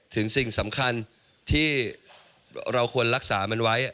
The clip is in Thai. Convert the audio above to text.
สิ่งสำคัญที่เราควรรักษามันไว้